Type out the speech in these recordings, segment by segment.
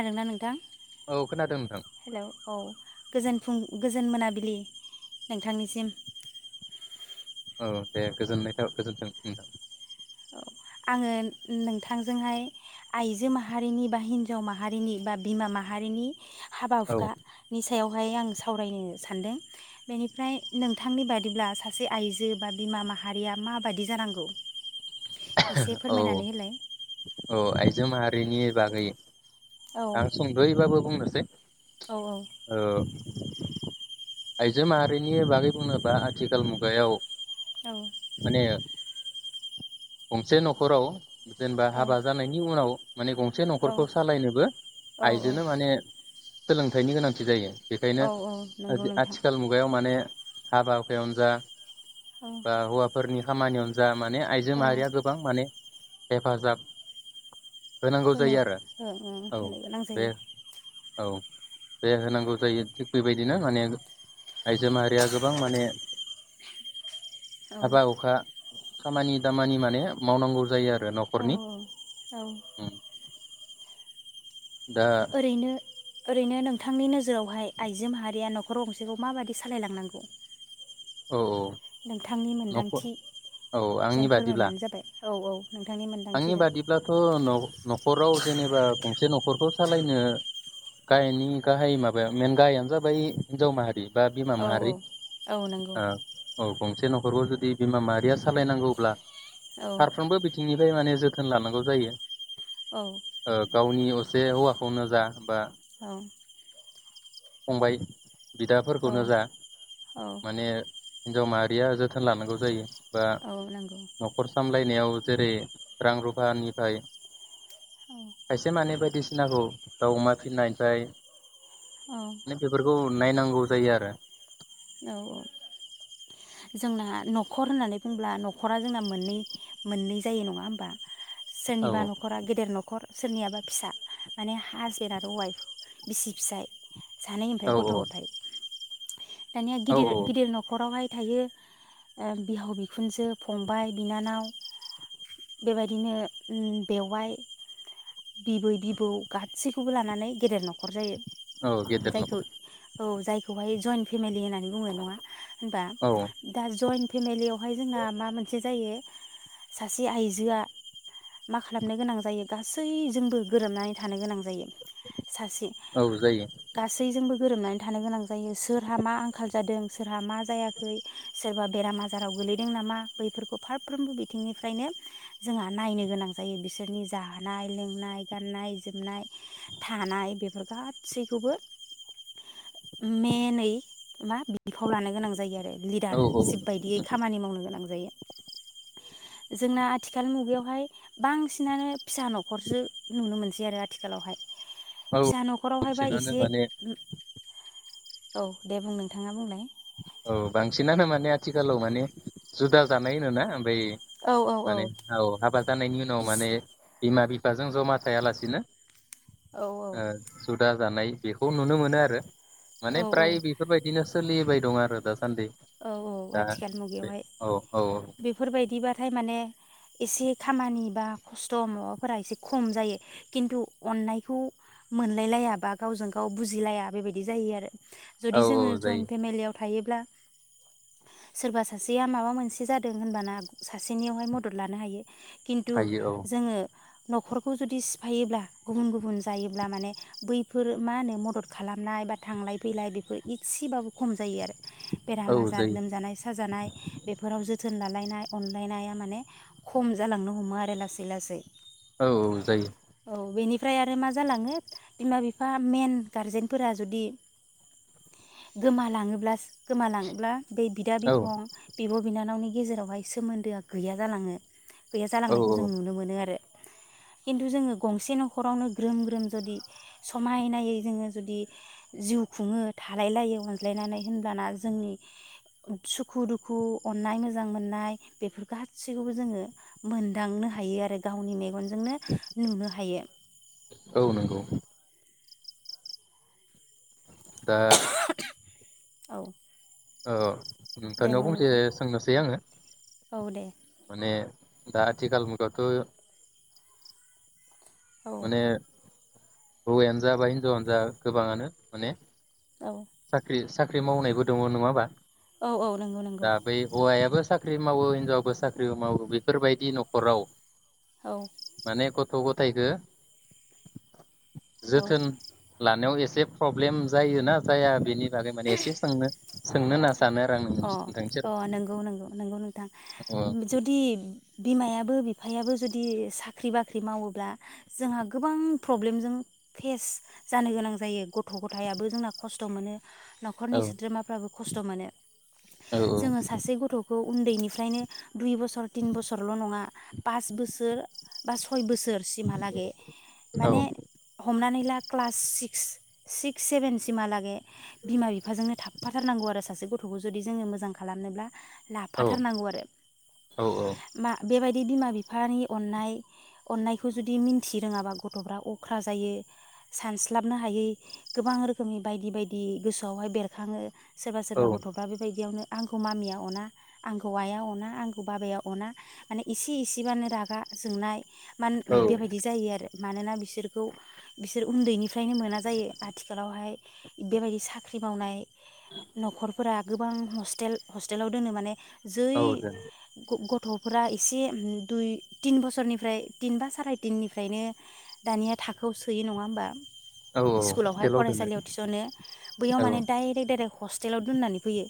आरो ना नोंथां। औ खोनादों नोंथां हेल' औ गोजोन फुं गोजोन मोनाबिलि नोंथांनिसिम औ दे गोजोननाय था गोजोनथों उ औ आङो नोंथांजोंहाय आइजो माहारिनि बा हिन्जाव माहारिनि बा बिमा माहारिनि हाबा औ हुखानिस सायावहाय आं सावरायनो सानदों बेनिफ्राय नोंथांनि बादिब्ला सासे आइजो बा बिमा माहारिया माबादि जानांगौ? एसे औ फोरमायनानै होलाय औ आइजो माहारिनि बागै औ आं सुंद'यै बाबो बुंगोन [unintelligible] औ आइजो माहारिनि बागै बुङोबा आथिखाल मुगायाव माने गंसे न'खराव जेनेबा औ हाबा जानायनि उनाव माने गंसे औ न'खरखौ सालायनोबो औ आइजोनो माने सोलोंथाइनि गोनांथि जायो। बेखायनो औ औ नंगौ आजि नोंथां आथिखाल मुगायाव माने। हाबा हुखायावनो जा। औ बा हुआफोरनि खामानियावनो जा माने। जो औ माहारिया गोबां माने। हेफाजाब। होनांगौ होनो जायो आरो ओं ओं औ होनो गोनां बे जायो औ। बे होनांगौ जायो थिग बेबायदिनो माने आइजो माहारिया गोबां माने। औ हाबा हुखा। खामानि खामानि माने मावनांगौ जायो आरो रो औ न'खरनि औ उम। दा ओरैनो। ओरैनो नोंथांनि नोजोरावहाय आइजो माहारिया न'खर गंसेखौ माबादि सालायलांनांगौ। औ औ नोंथांनि न'खर मोनदांथि औ आंनि जों बादिब्ला फोरमायबानो जाबाय औ औ। नोंथांनि आंनि मोन्दांथिजों बाजदब्लाथ' नख न'खराव जेनेबा गंसे न'खरखौ सालायनो गाहायनि गाहाय माबाया मेन गाहायानो जाबाय हिनजाव माहारि। बा बिमा औ माहारि औ नंगौ ओ औ बुं। से न'खरखौ जुदि बिमा माहारिया सालायनांगौब्ला। औ फारफ्रोमबो बिथिंनिफ फ्राय माने जोथोन लानांगौ जायो। औ ओ गावनिय असे हौवाखौनो जा बा औ। फंबाय बिदाफोरखौनो जा औ औ माने हिनजाव माहारिया जोथोन लानांगौ जायो। बा औ नंगौ नखर सामलाय नायाव‌ जेरै रां रुफानिफ्राय औ खायसे माने बायदिसिनाखौ दाउ अमा फिनायनिफ्राय औ ने बेफोरखौ। नाय नांगौ जायो आरो। औ औ जोंना नखर होननानै बुंब्ला नखरा जोंना मोननै मोननै जायो नङा होमबा? सोरनिबा आरो नखरा गेदेर नखर सोरनियाबा फिसा माने हाजेेन आरो वाइफ बिसि फिसाय सानै ओमफ्राय औ गथ गथायाइ [inaudible] दानिया औ गिदिर गिदिर न खरावहाय थायो ओ बिहाव बिखुनजो फंबाय बिनानाव बेबायदिनो अम बेवाइ बिबै-बिबौ गासैखौबो लानानै गेदेर नखर जायो। औ गेदेर जायखौ नखर औ जायखौहाय जइन फेमिलि होननानै बुंनाय नङा होमबा औ दा जइन फेमिलियावहाय जोंहा मा मोनसे जायो सासे आइजोआ मा खालामनो गोनां जायो गासैजोंबो गोरोबनानै थानो गोनां जायो सासे औ जायो गासैजोंबो गोरोबनानै थानो गोनां जायो। सोरहा मा आंखाल जादों सोरहा मा जायाखै सोरबा बेराम आजाराव गोलैदों नामा बैफोरखौ फारफ्रोमबो बिथिंनिफ्रायनो जोंहा नायनो गोनां जायो बिसोरनि जानाय लोंनाय गाननाय जोमनाय थानाय बेफोर गासैखौबो मे नै मा? बिफाव लानो गोनां जायो आरो औ लिडार औ सिशिफ बायदियै खामानि मावनो गोनां जायो। जोंना आथिखाल मुगायावहाय बांसिनानो फिसा नखरसो नुनो मोनसै आरो आथिखालावहाय। औ फिसा नखरावहायबा बांसिनानो एसे माने औ दे बुं नोंथाङा बुंलाय औ बांसिनानो माने आथिखालाव माने जुदा जानाय होना ओमफ्राय औ औ माने औ हाबा जानायनि उनाव बिस माने बिमा बिफा जों जमा थायालासिनो औ औ ओ जुदा जानाय बेखौ नुनो मोनो आरो माने औ फ्राय बेफोरबायदिनो सोलिबाय दं आरो दा दासान्दि औ औ आथिखाल बे मुगायावहाय औ औ बेफोरबायदिबाथाय माने एसे खामानि बा खस्थ' माबाफोरा एसे खम जायो खिन्थु अननायखौ मोनलायलाया बा गावजों गाव बुजिलाया बेबायदि जायो आरो औ जुदि औ जोङो जायो जयइन्ट फेमिलियाव थायोब्ला सोरबा सासेया माबा मोनसे जादों होनबाना सासेनियावहाय मदद लानो हायो। खिन्थु हायो जोङो न'खरखौ जुदि सिफायोब्ला गुबुन गुबुन जायोब्ला माने बैफोर मा होनो मदद खालामनाय बा थांलाय फैलाय बेफोर एसेबाबो खम जायो आरो औ बेराम आजार जायो लोमजानाय साजानाय बेफोराव जोथोन लालायनाय अनलायनाया माने खम जालांनो हमो आरो लासै लासै औ औ जायो ओमफ्राय आरो मा जालाङो बिमा बिफा मेन गारजेनफोरा जुदि गोमालाङोब्ला गोमालाङोब्ला बे बिदा औ बिफं बिब बिनानावनि गेजेरावहाय सोमोन्दोआ गैया जालाङो गैया औ जालांनायखौ जों औ नुनो मोनो आरो खिन्थु जोङो गंसे न'खरावनो ग्रोम ग्रोम जुदि समायनायै जोङो जुदि जिउ खुङो थालायलायो अनज्लायनानै होनब्लाना ज जोंनि सुखु दुखु अनाय मोजां मोननाय बे गाैखौबो जोङ मोदांनो हायो आरो गावनि मेगन नुनो हायो औ नंगौ दा औ औ नोंथां दे निआव बुं फंसे नोंथां सोंनोसै आङो औ दे माने दा आथिखाल मुगायावथ औ माने हौवयानो जा बा हिनजावानो जा गोबाङानो माने औ साक्रि सा मावनायबो दङ नङा होमबा औ औ नंगौ नंगौ दा बै हौवायाबो साख्रि मावो हिनजावाबो साख्रिबो मावो बेफोरबायदि न'खराव औ माने गथायखो औ जोथोन लानायाव एस एसे प्रब्लेम जायोना? जाया बेनि बागै माने एसे सोंनो, सोंनो होनासो अ अ नंगौ नंगौ नंगौ नोंथां औ जुदि, बिमायाबो बिफायाबो जुदि साख्रि बाख्रि मावोब्ला जोंहा गोबां प्रब्लेमजों फेस जानो गोनां जायो गथ' गथायाबो जोंना खस्थ' मोनो न'खरनि औ सोद्रोमाफ्राबो खस्थ' मोनो, औ जोङो सासे गथ' उन्दैनिफ्रायनो दुइ बोसोर तिन बोसोरल' नङा पास बोसोर बा सय बोसोर, सोर सिमहालागै औ माने हमनानै ला, क्लास सिक्स सिक्स सेभेन सिमा लागे, बिमा बिफाजोंनो थाफा, सासे गथ गथ'खौ जुदि जोङो मोजां खालामनोब्ला औ लाफाथारनांगौ आरो औ मा बेबायदि, जुदि बिमा बिफानि अननाय अननायखौ जुदि मिन्थि रोङाबा गथ'फ्रा अख्रा जायो सानस्लाबनो हायै गोबां रोखोमनि बायदि बायदि गोसोआवहाय बेरखाङो, सोबा दा बेबायदियावनो आंखौ मामिया अना आंखौ आइआ अना आंखौ बाबाया अना माने इसे इसेबानो रागा जोंनाय, मानो बेबायदि जायो आरो मानोना बिसोरखौ बिसोर उन्दैनिफ्रायनो मोना जायो आथिखालावहाय बेबायदि साख्रि मावनाय न'खर गोबां हस्टेल हस्टेलाव दोनो माने, जै दोन [unintelligible] गथ'फ्रा एसे दुइ तिन बोसोरनिफ्राय तिन बा साराय तिननिफ्रायनो दानिया थाखोआव सोयो नङा होमबा औ स्कुलावहाय हस्टेलाव दोनो फरायसालियाव थिस'नो बैयाव औ माने डाइरेक्ट डाइरेक्ट, हस्टेलाव दोननानै फैयो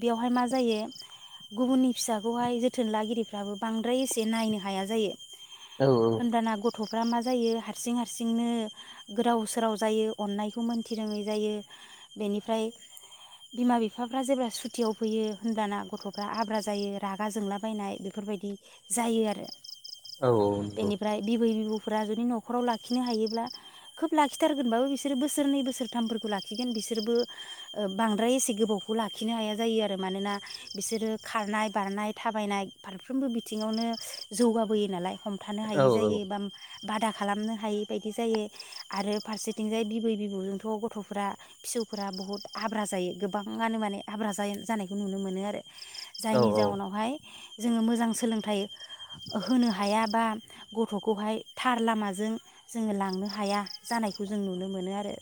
बेयावहाय मा जायो गुबुननि फिसाखौहाय जोथोन लागिरिफ्राबो बांद्राय एसे नायनो हाया जायो। औ ओनबाना गद गथ'फ्रा मा जायो हारसिं हारसिंनो गोदाव सोराव जायो। अननायखौ मोनथिरोङै जायो बेनिफ्राय, बिमा बिफाफ्रा जेब्ला सुटियाव फैयो होनब्लाना गथ'फ्रा आब्रा जायो रागा जोंला बायनाय बेफोरबायदि जायो आरो औ नंगौ बेनिफ्राय बिबै बिबौ फोरा जुदि न'राव लाखिनो हायोब्ला खोब लाखिथारगोनबाबो बिसोरो बोसोरनै बोसोरथामफोरखौ लाखिगोन बिसोरबो बां बांद्राय एसे गोबावखौ लाखिनो हाया जायो आरो मानोना बिसोरो खारनाय बारनाय थाबायनाय फारफ्रोमबो बिथिङावनो जौगाबोयो नालाय, हमथानो औ हायै जायो बाम बादा खालामनो हायि बायदि जायो आरो फारसेथिंजाय बिबै बिबौजोंथ' गथ'फोरार फिसौफोरा बहुद आब्रा जायो। गोबाङानो माने आब्रा जायो जानायखौ नुनो मोनो आरो औ जायनि जाउनावहाय जोङो मोजां सोलोंथाइ होनो हाया बा गथ'खौहाय थार लामाजों जोङो लांनो हाया जानायखौ जों नुनो मोनो आरो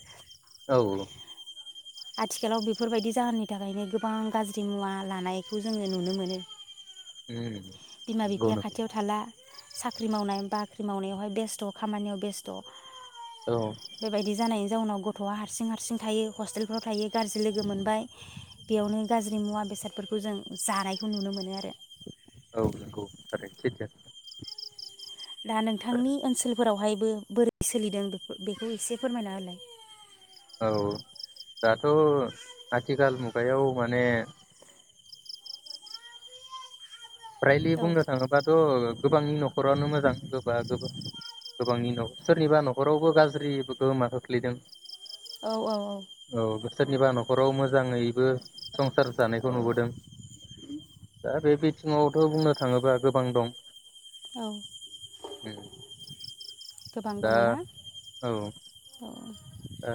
औ आथिखालाव बेफोरबायदि जाहोननि थाखायनो गोबां गाज्रि मुवा लानायखौ जोङो नुनो मोनो। उम बिमा बिफाया खाथियाव थाला साख्रि मावनाय बाख्रि मावनायावहाय बेस्थ' खामानियाव बेस्थ' औ बेबायदि जानाय जाउनाव गथ'आ हारसिं हारसिं थायो हस्टेलफ्राव थायो गाज्रि लोगो मोनबाय। बेयावनो गाज्रि मुवा बेसादफोरखौ जों जानायखौ नुनो मोनो आरो। औ नंगौ थारैनो सैथो। दा नोंथांनि ओनसोलफोरावहाय बो बोरै सोलिदों बे बेखौ एसे फोरमायना होलाय? औ दाथ' आथिखाल मुगायाव माने फ्रायलि औ बुंनो थाङोबाथ' गोबांनि न'खरानो मोजां गोबा गोबा गोबांनि नख सोरनिबा नखरावबो गाज्रि गोहोमा खोख्लैदों। औ औ औ सोरनिबा न'खराव मोजाङैबो संसार औ जानायखौ नुबोदों। दा बे बि थिंआवथ' बुंनो थाङोब्ला गोबां दं। औ उम गोबां दा दङ' ना? औ ओ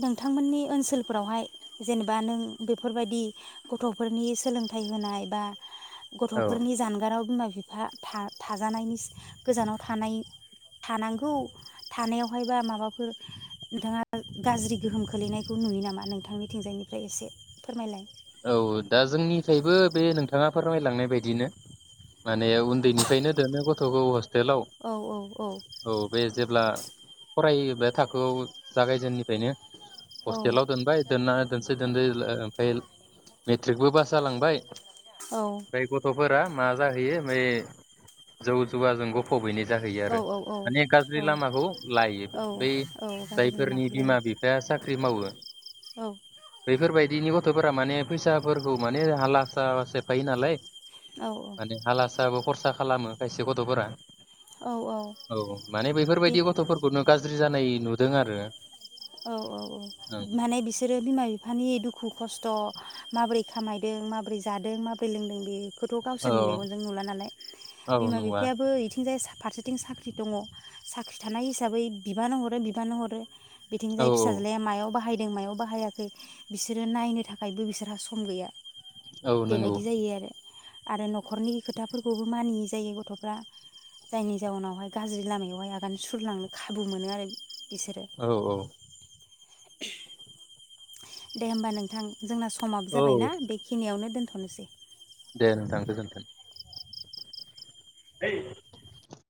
नोंथांमोननि ओनसोलफोरावहाय जेनेबा नों बेफोरबायदि गथफोरनि सोलोंथाइ होनाय बा औ गथ'फोरनि जानगाराव बिमा बिफा था थाजानायनि गोजानाव थानाय थानांगौ थानायावहायबा माबाफोर नोंथाङा गाज्रि गोहोम खोलैनायखौ नुयो नामा नोंथांनिथिंजायनिफ्राय एसे फोरमायलाय? औ दा जोंनिफ्रायबो बे नोंथाङा फोरमायलांनाय बायदिनो माने उन्दैनिफ्रायनो दोनो गथ'खौ हसटेलाव औ औ औ बे जेब्ला फरायोब्ला थाखोआव जागायजेननिफ्रायनो औ हस्टेलाव दोनबाय दोनना दोसे दोनदोला फाइ मेट्रिकबो फास जालांबाय। औ दाय गथ'फोर फ्रा मा जाहैयो बै जौ जुवा जों गफबहैनाय जाहैयो औ आरो माने औ गाज्रि लामाखौ लायो। औ बै औ गाज्रि जायफोरनि लामाखौ लायो बिमा बिफाया साख्रि मावो औ बेफोरबाय बिनि गथ'फोर फोरा माने फैसाफोरखौ माने हालासा सेफायो नालाय औ माने हाला साबो खरस सा खालामो खायसे गथ'फोरा औ औ माने बे बेफोरबायदि गथ'फोरखौनो गाज ज्रि जानाय नुदों आरो। औ औ औ माने बिसोरो बिमा बिफानि दुखु खस थ माब्रै खामायदों माब्रै जादों माब्रै लोंदों बे खौथ गावसोरनि ओं मेगनजों नुला नालाय औ बिमा नङा बिफायाबो इथिंजाय फारसेथिं साख्रि दंङ साख्रि थानाय हिसाबै बिबानो हरो बिबानो हरो औ बिथिंजाय औ फिसाज्लाया मायाव बाहाय मायाव बाहायाखै बिसोरो नायनो थाखायबो बिसोरहा सम गैया औ बे नंगौ बायदि जायो आरो। आरो न'खरनि खोथाफोरखौबो मानियै जायो गथ'फ्रा जायनि जाउनावहाय गाज्रि लामायावहाय आगान सुरलांनो खाबु मोनो आरो बिसोरो औ औ [unintelligible] दे होमबा नोंथां। जोंना समाबो औ जाबायना बेखिनियावनो दोन थ नोसै। दे नोंथां गोजोन्थों। [unintelligible]